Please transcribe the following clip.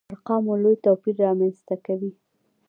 ارقامو لوی توپير رامنځته کوي.